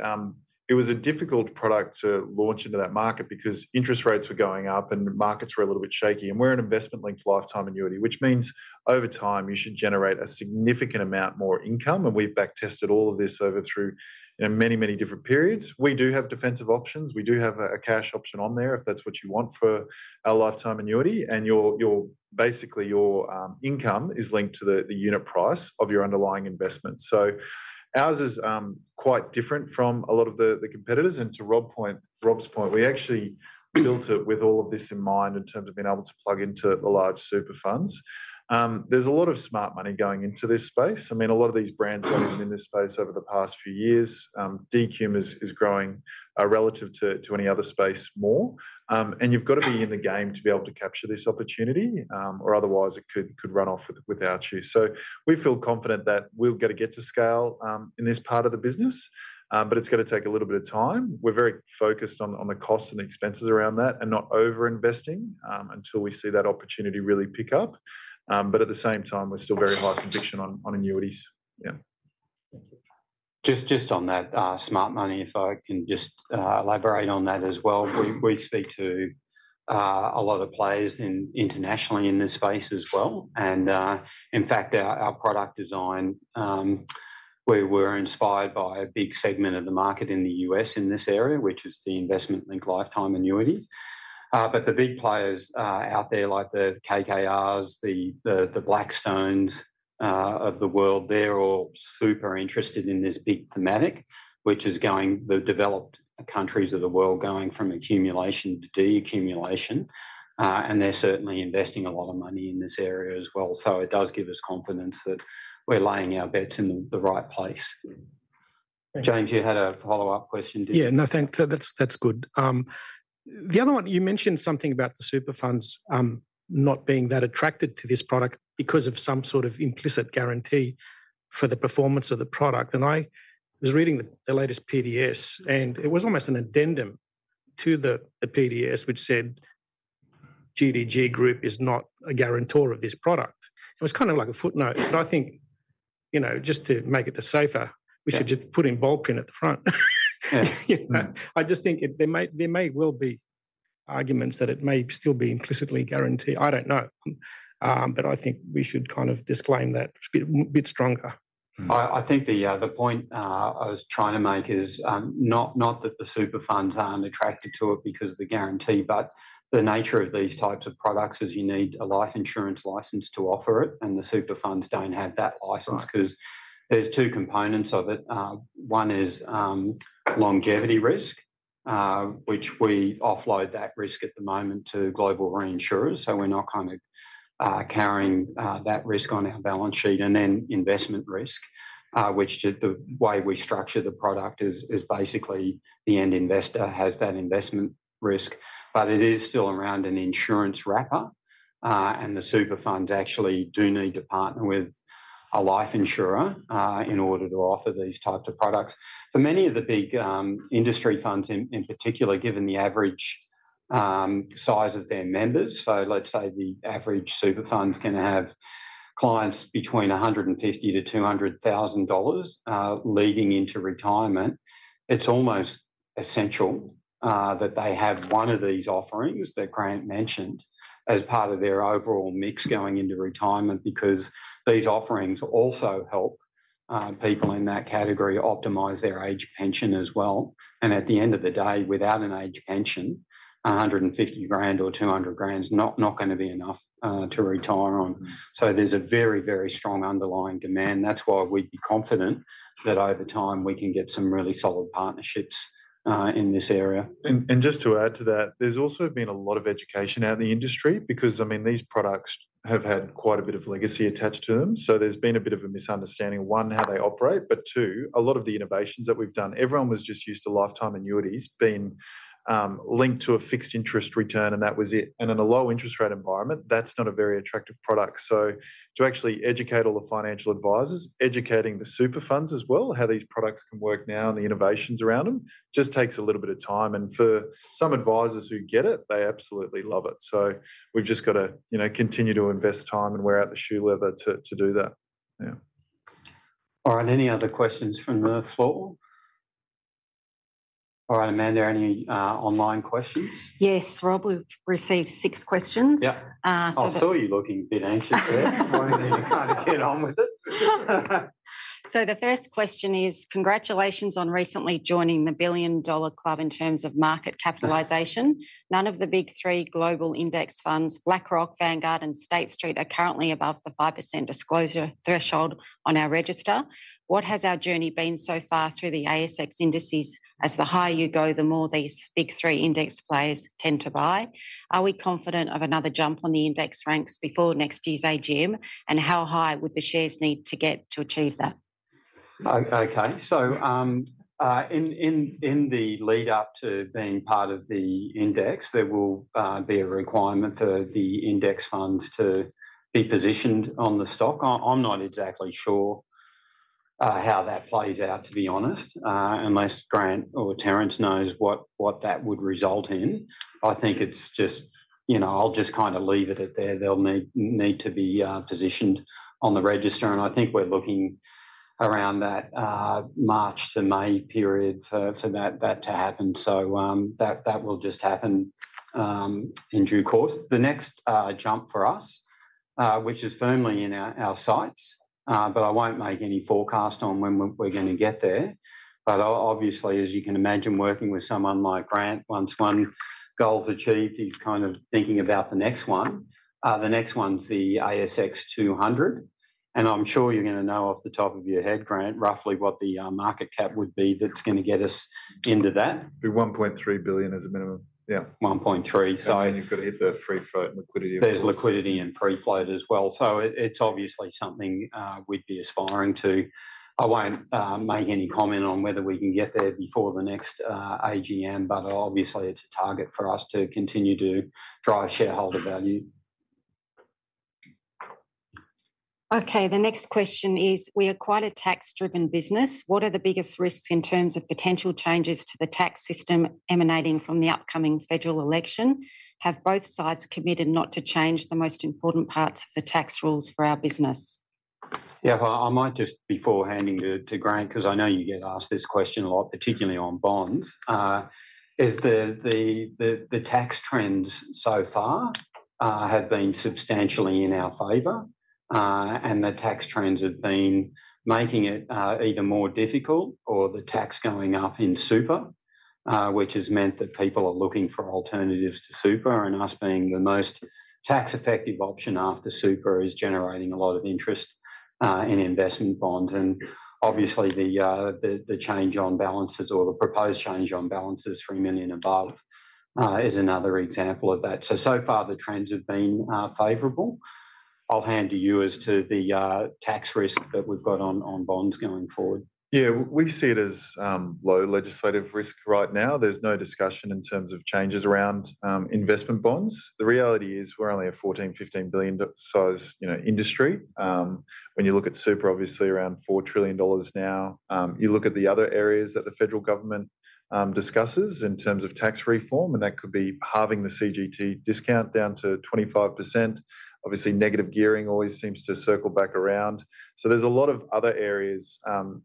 it was a difficult product to launch into that market because interest rates were going up and markets were a little bit shaky. And we're an investment-linked lifetime annuity, which means over time, you should generate a significant amount more income. And we've backtested all of this over, through many, many different periods. We do have defensive options. We do have a cash option on there if that's what you want for our lifetime annuity. And basically, your income is linked to the unit price of your underlying investment. So ours is quite different from a lot of the competitors. And to Rob's point, we actually built it with all of this in mind in terms of being able to plug into the large super funds. There's a lot of smart money going into this space. I mean, a lot of these brands have been in this space over the past few years. De-accumulation is growing relative to any other space more. And you've got to be in the game to be able to capture this opportunity or otherwise it could run off without you. So we feel confident that we're going to get to scale in this part of the business, but it's going to take a little bit of time. We're very focused on the costs and the expenses around that and not over-investing until we see that opportunity really pick up. But at the same time, we're still very high conviction on annuities. Yeah. Just on that smart money, if I can just elaborate on that as well. We speak to a lot of players internationally in this space as well. And in fact, our product design, we were inspired by a big segment of the market in the U.S. in this area, which is the investment-linked lifetime annuities. But the big players out there, like the KKR, the Blackstones of the world, they're all super interested in this big thematic, which is going the developed countries of the world going from accumulation to de-accumulation. And they're certainly investing a lot of money in this area as well. So it does give us confidence that we're laying our bets in the right place. James, you had a follow-up question, didn't you? Yeah, no, thanks. That's good. The other one, you mentioned something about the super funds not being that attracted to this product because of some sort of implicit guarantee for the performance of the product, and I was reading the latest PDS, and it was almost an addendum to the PDS, which said GDG is not a guarantor of this product. It was kind of like a footnote, but I think just to make it safer, we should just put in bold print at the front. I just think there may well be arguments that it may still be implicitly guaranteed. I don't know, but I think we should kind of disclaim that a bit stronger. I think the point I was trying to make is not that the super funds aren't attracted to it because of the guarantee, but the nature of these types of products is you need a life insurance license to offer it. And the super funds don't have that license because there's two components of it. One is longevity risk, which we offload that risk at the moment to global reinsurers. So we're not kind of carrying that risk on our balance sheet. And then investment risk, which the way we structure the product is basically the end investor has that investment risk. But it is still around an insurance wrapper. And the super funds actually do need to partner with a life insurer in order to offer these types of products. For many of the big industry funds in particular, given the average size of their members, so let's say the average super funds can have clients between 150,000-200,000 dollars leading into retirement, it's almost essential that they have one of these offerings that Grant mentioned as part of their overall mix going into retirement because these offerings also help people in that category optimize their Age Pension as well. And at the end of the day, without an Age Pension, 150,000 or 200,000 is not going to be enough to retire on. So there's a very, very strong underlying demand. That's why we'd be confident that over time, we can get some really solid partnerships in this area. And just to add to that, there's also been a lot of education out in the industry because, I mean, these products have had quite a bit of legacy attached to them. So there's been a bit of a misunderstanding, one, how they operate, but two, a lot of the innovations that we've done, everyone was just used to lifetime annuities being linked to a fixed interest return, and that was it. And in a low interest rate environment, that's not a very attractive product. So to actually educate all the financial advisors, educating the super funds as well, how these products can work now and the innovations around them, just takes a little bit of time. And for some advisors who get it, they absolutely love it. So we've just got to continue to invest time and wear out the shoe leather to do that. Yeah. All right. Any other questions from the floor? All right, Amanda, any online questions? Yes, Rob, we've received six questions. I saw you looking a bit anxious there. I kind of get on with it. The first question is, "Congratulations on recently joining the Billion Dollar Club in terms of market capitalization. None of the big three global index funds, BlackRock, Vanguard, and State Street, are currently above the 5% disclosure threshold on our register. What has our journey been so far through the ASX indices as the higher you go, the more these big three index players tend to buy? Are we confident of another jump on the index ranks before next year's AGM? And how high would the shares need to get to achieve that? Okay. So in the lead-up to being part of the index, there will be a requirement for the index funds to be positioned on the stock. I'm not exactly sure how that plays out, to be honest, unless Grant or Terence knows what that would result in. I think it's just, you know, I'll just kind of leave it at there. They'll need to be positioned on the register. And I think we're looking around that March to May period for that to happen. So that will just happen in due course. The next jump for us, which is firmly in our sights, but I won't make any forecast on when we're going to get there. But obviously, as you can imagine, working with someone like Grant, once one goal's achieved, he's kind of thinking about the next one. The next one's the ASX 200. I'm sure you're going to know off the top of your head, Grant, roughly what the market cap would be that's going to get us into that. 1.3 billion is a minimum. Yeah. 1.3. You've got to hit the free float liquidity. There's liquidity and free float as well. So it's obviously something we'd be aspiring to. I won't make any comment on whether we can get there before the next AGM, but obviously, it's a target for us to continue to drive shareholder value. Okay. The next question is, "We are quite a tax-driven business. What are the biggest risks in terms of potential changes to the tax system emanating from the upcoming federal election? Have both sides committed not to change the most important parts of the tax rules for our business? Yeah, I might just before handing to Grant, because I know you get asked this question a lot, particularly on bonds. The tax trends so far have been substantially in our favor. And the tax trends have been making it either more difficult or the tax going up in super, which has meant that people are looking for alternatives to super. And us being the most tax-effective option after super is generating a lot of interest in investment bonds. And obviously, the change on balances or the proposed change on balances for 3 million and above is another example of that. So far, the trends have been favorable. I'll hand to you as to the tax risk that we've got on bonds going forward. Yeah, we see it as low legislative risk right now. There's no discussion in terms of changes around investment bonds. The reality is we're only a 14-15 billion size industry. When you look at super, obviously around 4 trillion dollars now. You look at the other areas that the federal government discusses in terms of tax reform, and that could be halving the CGT discount down to 25%. Obviously, negative gearing always seems to circle back around. So there's a lot of other areas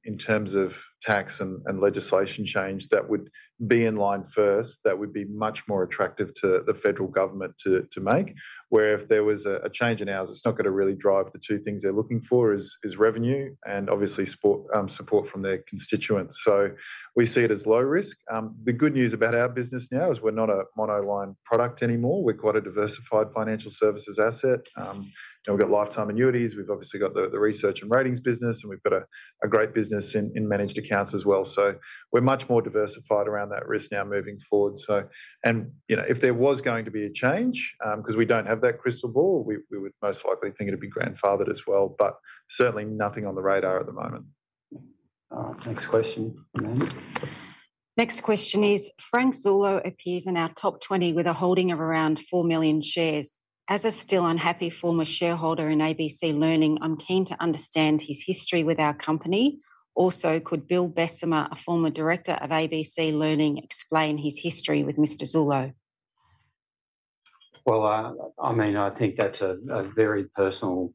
in terms of tax and legislation change that would be in line first that would be much more attractive to the federal government to make. Where if there was a change in ours, it's not going to really drive the two things they're looking for is revenue and obviously support from their constituents. So we see it as low risk. The good news about our business now is we're not a monoline product anymore. We're quite a diversified financial services asset. We've got lifetime annuities. We've obviously got the research and ratings business, and we've got a great business in managed accounts as well. So we're much more diversified around that risk now moving forward. And if there was going to be a change, because we don't have that crystal ball, we would most likely think it'd be Grant Hackett as well, but certainly nothing on the radar at the moment. All right. Next question, Amanda. Next question is, "Frank Zullo appears in our top 20 with a holding of around 4 million shares. As a still unhappy former shareholder in ABC Learning, I'm keen to understand his history with our company. Also, could Bill Bessemer, a former director of ABC Learning, explain his history with Mr. Zullo? I mean, I think that's a very personal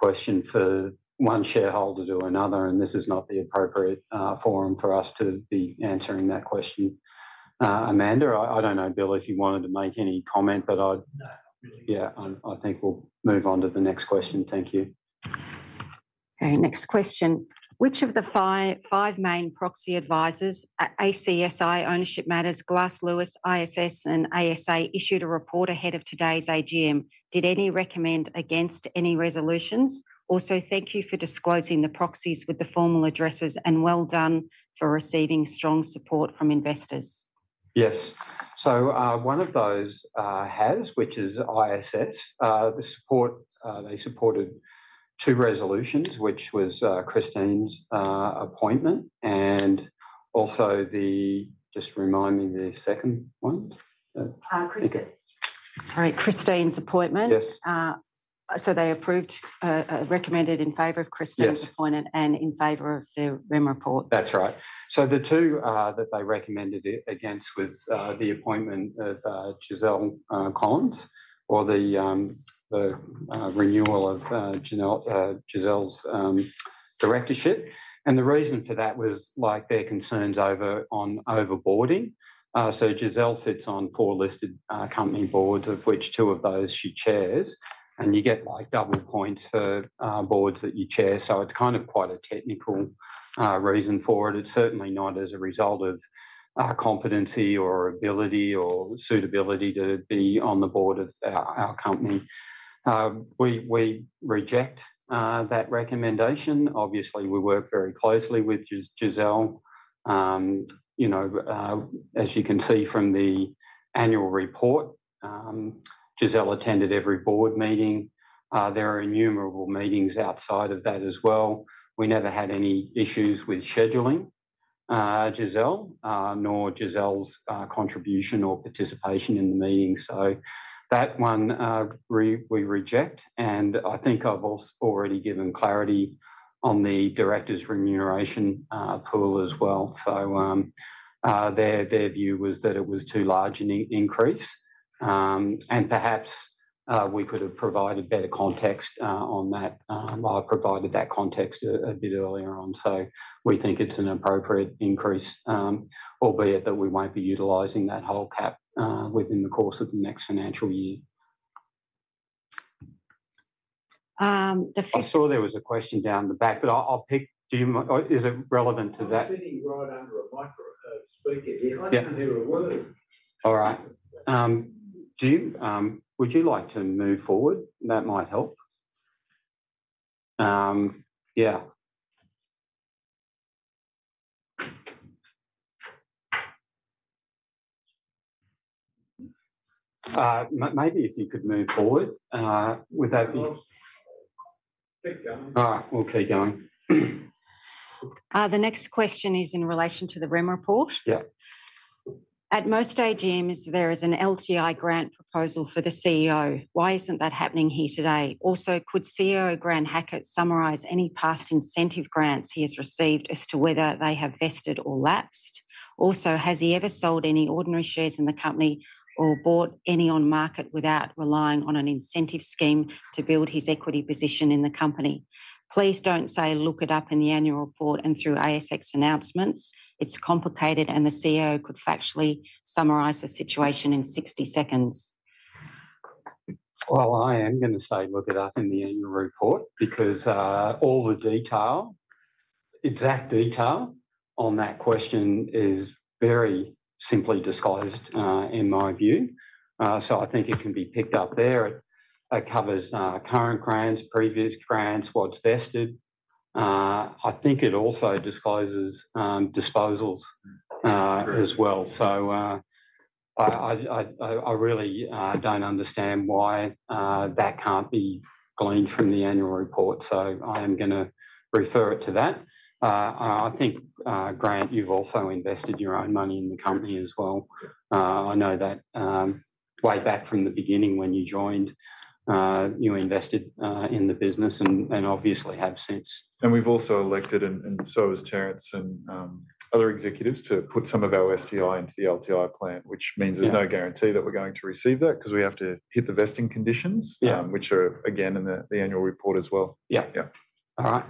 question for one shareholder to another, and this is not the appropriate forum for us to be answering that question. Amanda, I don't know, Bill, if you wanted to make any comment, but yeah, I think we'll move on to the next question. Thank you. Okay. Next question. "Which of the five main proxy advisors, ACSI, Ownership Matters, Glass Lewis, ISS, and ASA issued a report ahead of today's AGM? Did any recommend against any resolutions? Also, thank you for disclosing the proxies with the formal addresses and well done for receiving strong support from investors. Yes. So one of those has, which is ISS. They supported two resolutions, which was Christine's appointment. And also, just remind me the second one. Christine. Sorry, Christine's appointment. So they recommended in favor of Christine's appointment and in favor of the Remuneration Report. That's right. So the two that they recommended against was the appointment of Giselle Collins or the renewal of Giselle's directorship. And the reason for that was like their concerns over on overboarding. So Giselle sits on four listed company boards, of which two of those she chairs. And you get like double points for boards that you chair. So it's kind of quite a technical reason for it. It's certainly not as a result of competency or ability or suitability to be on the board of our company. We reject that recommendation. Obviously, we work very closely with Giselle. As you can see from the Annual Report, Giselle attended every board meeting. There are innumerable meetings outside of that as well. We never had any issues with scheduling Giselle, nor Giselle's contribution or participation in the meeting. So that one we reject. And I think I've already given clarity on the director's remuneration pool as well. So their view was that it was too large an increase. And perhaps we could have provided better context on that or provided that context a bit earlier on. So we think it's an appropriate increase, albeit that we won't be utilizing that whole cap within the course of the next financial year. I saw there was a question down the back, but I'll pick. Is it relevant to that? I'm sitting right under a micro speaker here. I didn't hear a word. All right. Would you like to move forward? That might help. Yeah. Maybe if you could move forward, would that be? All right. We'll keep going. The next question is in relation to the REM report. Yeah. At most AGMs, there is an LTI grant proposal for the CEO. Why isn't that happening here today? Also, could CEO Grant Hackett summarize any past incentive grants he has received as to whether they have vested or lapsed? Also, has he ever sold any ordinary shares in the company or bought any on market without relying on an incentive scheme to build his equity position in the company? Please don't say, "Look it up in the annual report and through ASX announcements." It's complicated, and the CEO could factually summarize the situation in 60 seconds. I am going to say, "Look it up in the annual report," because all the detail, exact detail on that question is very simply disclosed in my view. So I think it can be picked up there. It covers current grants, previous grants, what's vested. I think it also discloses disposals as well. So I really don't understand why that can't be gleaned from the annual report. So I am going to refer it to that. I think, Grant, you've also invested your own money in the company as well. I know that way back from the beginning when you joined, you invested in the business and obviously have since. And we've also elected, and so has Terence and other executives, to put some of our STI into the LTI plan, which means there's no guarantee that we're going to receive that because we have to hit the vesting conditions, which are, again, in the annual report as well. Yeah. All right.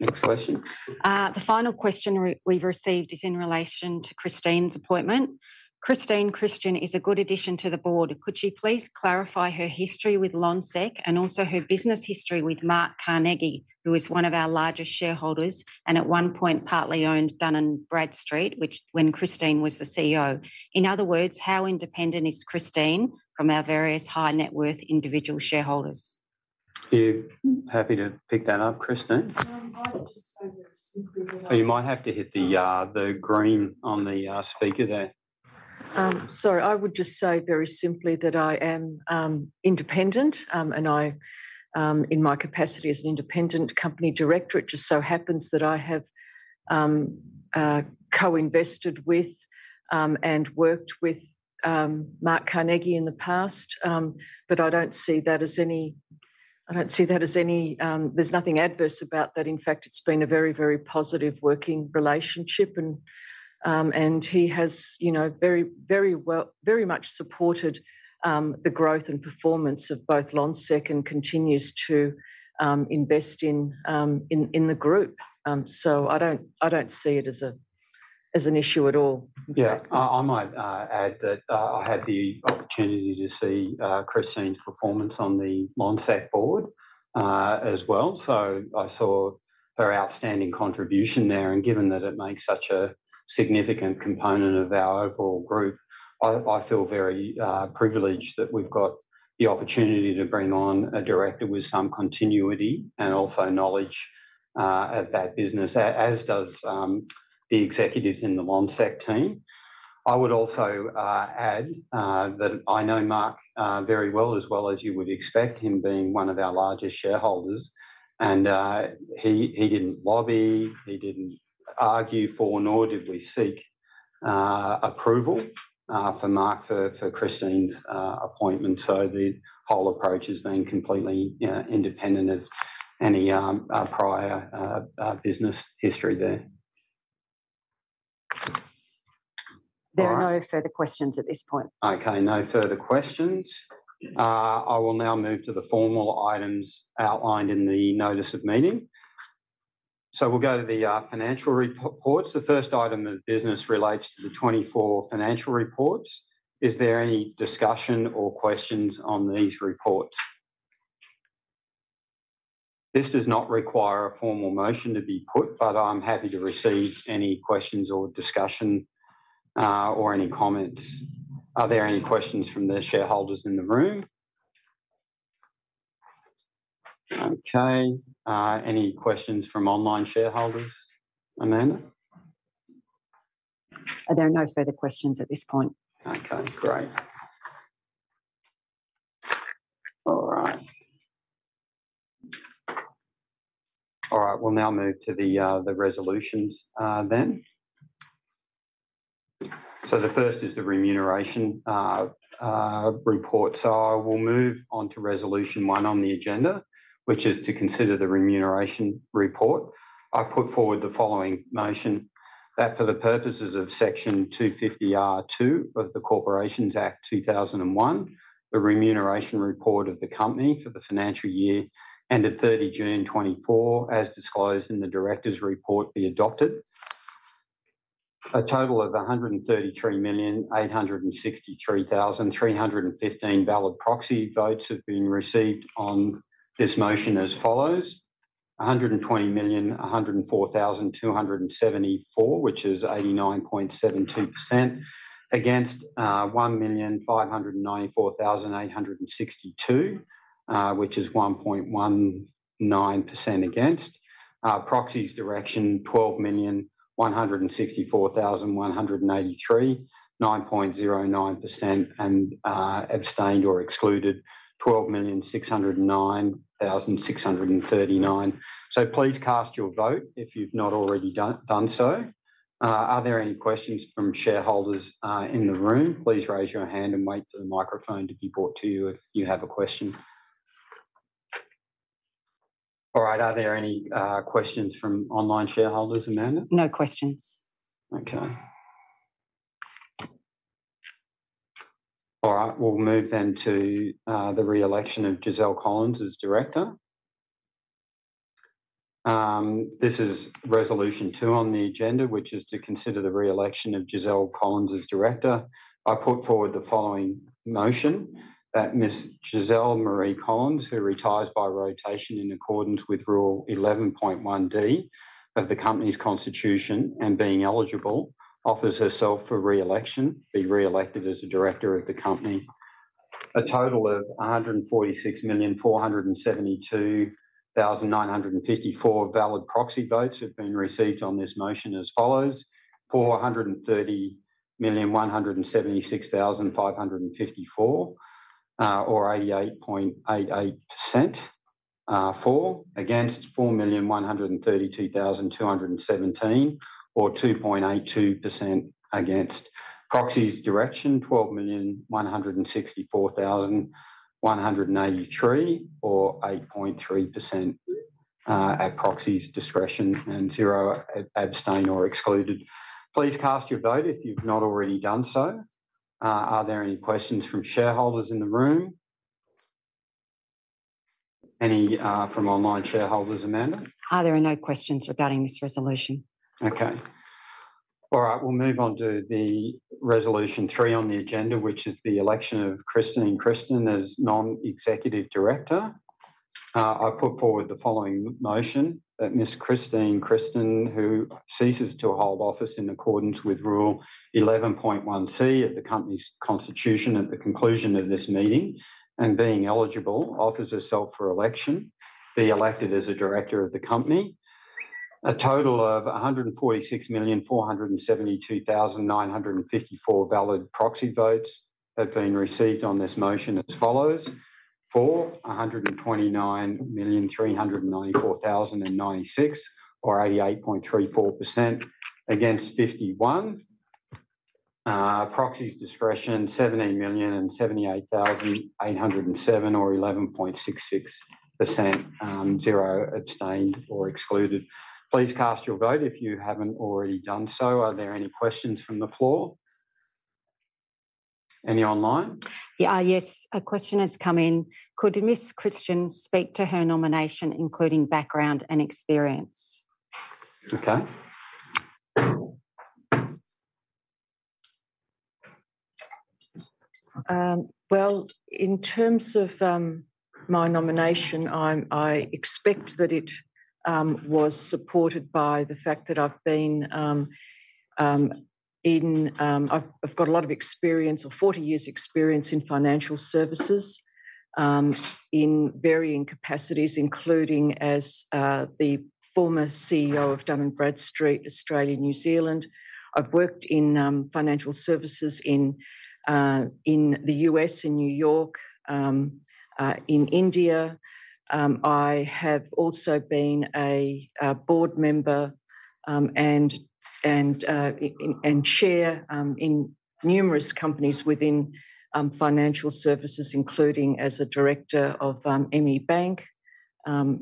Next question. The final question we've received is in relation to Christine's appointment. "Christine Christian is a good addition to the board. Could she please clarify her history with Lonsec and also her business history with Mark Carnegie, who is one of our largest shareholders and at one point partly owned Dun & Bradstreet when Christine was the CEO? In other words, how independent is Christine from our various high-net-worth individual shareholders? Happy to pick that up, Christine. I would just say very simply that I. You might have to hit the green on the speaker there. Sorry, I would just say very simply that I am independent, and in my capacity as an independent company director, it just so happens that I have co-invested with and worked with Mark Carnegie in the past, but there's nothing adverse about that. In fact, it's been a very, very positive working relationship, and he has very much supported the growth and performance of both Lonsec and continues to invest in the group, so I don't see it as an issue at all. Yeah. I might add that I had the opportunity to see Christine's performance on the Lonsec board as well. So I saw her outstanding contribution there. And given that it makes such a significant component of our overall group, I feel very privileged that we've got the opportunity to bring on a director with some continuity and also knowledge of that business, as does the executives in the Lonsec team. I would also add that I know Mark very well, as well as you would expect, him being one of our largest shareholders. And he didn't lobby. He didn't argue for nor did we seek approval for Mark for Christine's appointment. So the whole approach has been completely independent of any prior business history there. There are no further questions at this point. Okay. No further questions. I will now move to the formal items outlined in the notice of meeting. So we'll go to the financial reports. The first item of business relates to the FY24 financial reports. Is there any discussion or questions on these reports? This does not require a formal motion to be put, but I'm happy to receive any questions or discussion or any comments. Are there any questions from the shareholders in the room? Okay. Any questions from online shareholders? Amanda? I don't know further questions at this point. Okay. Great. All right. We'll now move to the resolutions then. So the first is the remuneration report. So I will move on to resolution one on the agenda, which is to consider the remuneration report. I put forward the following motion that for the purposes of Section 250R(2) of the Corporations Act 2001, the remuneration report of the company for the financial year ended 30 June 2024, as disclosed in the Directors' Report, be adopted. A total of 133,863,315 valid proxy votes have been received on this motion as follows: 120,104,274, which is 89.72%, against 1,594,862, which is 1.19% against; proxies' direction 12,164,183, 9.09%; and abstained or excluded 12,609,639. So please cast your vote if you've not already done so. Are there any questions from shareholders in the room? Please raise your hand and wait for the microphone to be brought to you if you have a question. All right. Are there any questions from online shareholders, Amanda? No questions. Okay. All right. We'll move then to the reelection of Giselle Collins as director. This is resolution two on the agenda, which is to consider the reelection of Giselle Collins as director. I put forward the following motion that Ms. Giselle Marie Collins, who retires by rotation in accordance with Rule 11.1(d) of the company's constitution and being eligible, offers herself for reelection, be reelected as the director of the company. A total of 146,472,954 valid proxy votes have been received on this motion as follows: 430,176,554, or 88.88% for; against 4,132,217, or 2.82% against; proxies' direction 12,164,183, or 8.3% at proxies' discretion; and zero abstained or excluded. Please cast your vote if you've not already done so. Are there any questions from shareholders in the room? Any from online shareholders, Amanda? There are no questions regarding this resolution. Okay. All right. We'll move on to resolution three on the agenda, which is the election of Christine Christian as non-executive director. I put forward the following motion that Ms. Christine Christian, who ceases to hold office in accordance with Rule 11.1(c) of the company's constitution at the conclusion of this meeting and being eligible, offers herself for election, be elected as a director of the company. A total of 146,472,954 valid proxy votes have been received on this motion as follows: for 129,394,096 or 88.34%; against 51; proxies discretion 17,078,807 or 11.66%; zero abstained or excluded. Please cast your vote if you haven't already done so. Are there any questions from the floor? Any online? Yes. A question has come in. Could Ms. Christian speak to her nomination, including background and experience? Okay. In terms of my nomination, I expect that it was supported by the fact that I've got a lot of experience, or 40 years' experience in financial services in varying capacities, including as the former CEO of Dun & Bradstreet, Australia & New Zealand. I've worked in financial services in the U.S., in New York, in India. I have also been a board member and chair in numerous companies within financial services, including as a director of ME Bank,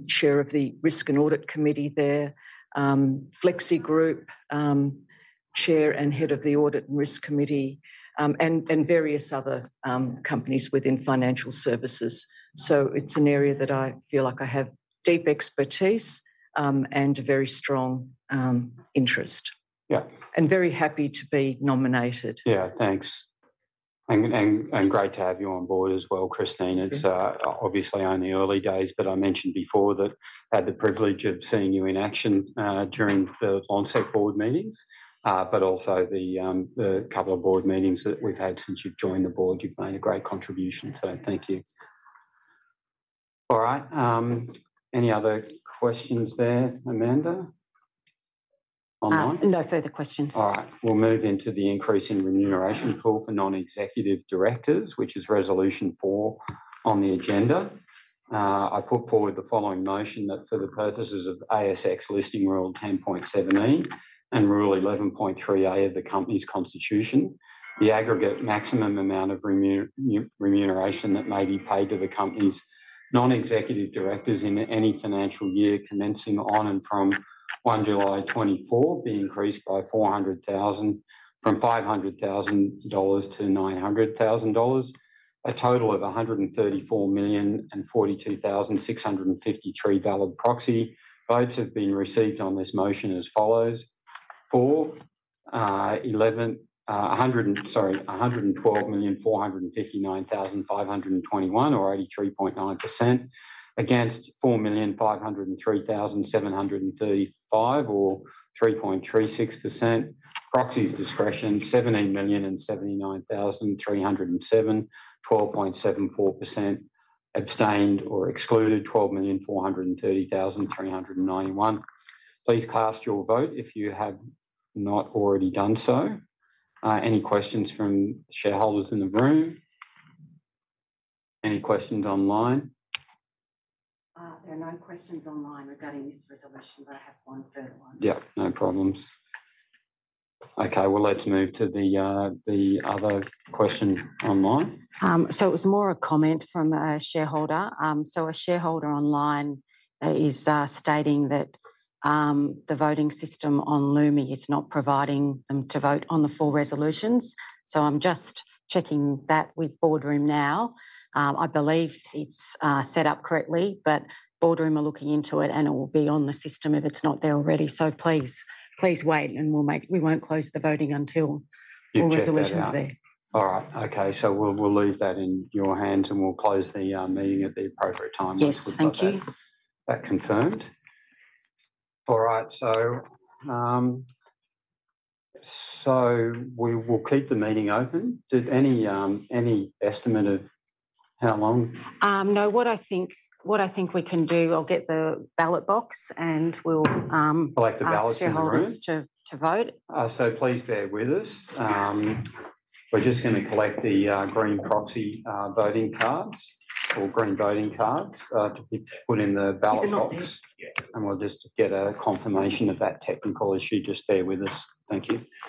chair of the Risk and Audit Committee there, FlexiGroup, chair and head of the Audit and Risk Committee, and various other companies within financial services. It's an area that I feel like I have deep expertise and a very strong interest. Yeah. Very happy to be nominated. Yeah. Thanks. And great to have you on board as well, Christine. It's obviously only early days, but I mentioned before that I had the privilege of seeing you in action during the Lonsec board meetings, but also the couple of board meetings that we've had since you've joined the board. You've made a great contribution. So thank you. All right. Any other questions there, Amanda? Online? No further questions. All right. We'll move into the increase in remuneration pool for non-executive directors, which is resolution four on the agenda. I put forward the following motion that for the purposes of ASX Listing Rule 10.17 and Rule 11.3(a) of the company's constitution, the aggregate maximum amount of remuneration that may be paid to the company's non-executive directors in any financial year commencing on and from 1 July 2024 be increased by 500,000 dollars to 900,000 dollars. A total of 134,042,653 valid proxy votes have been received on this motion as follows: 112,459,521, or 83.9%; against 4,503,735, or 3.36%; proxies discretion 17,079,307, 12.74%; abstained or excluded 12,430,391. Please cast your vote if you have not already done so. Any questions from shareholders in the room? Any questions online? There are no questions online regarding this resolution, but I have one further one. Yeah. No problems. Okay. Well, let's move to the other question online. So it was more a comment from a shareholder. A shareholder online is stating that the voting system on Lumi is not providing them to vote on the four resolutions. I'm just checking that with BoardRoom now. I believe it's set up correctly, but BoardRoom are looking into it, and it will be on the system if it's not there already. Please wait, and we won't close the voting until all resolutions are there. All right. Okay. So we'll leave that in your hands, and we'll close the meeting at the appropriate time. Yes. Thank you. That confirmed. All right. So we will keep the meeting open. Any estimate of how long? No. What I think we can do, I'll get the ballot box, and we'll. Collect the ballots, you're right. Ask shareholders to vote. Please bear with us. We're just going to collect the green proxy voting cards or green voting cards to be put in the ballot box. Is it on? And we'll just get a confirmation of that technical issue. Just bear with us. Thank you.